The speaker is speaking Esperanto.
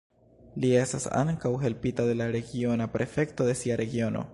Li estas ankaŭ helpita de la regiona prefekto de sia regiono.